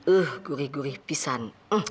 uh gurih gurih pisan